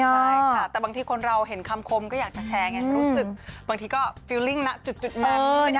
ใช่ค่ะแต่บางทีคนเราเห็นคำคมก็อยากจะแชร์อย่างนี้รู้สึกบางทีก็ฟิลลิ่งหนักจุดมา